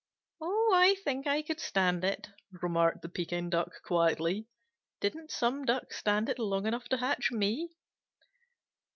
"Oh, I think I could stand it," remarked the Pekin Duck, quietly. "Didn't some Duck stand it long enough to hatch me?"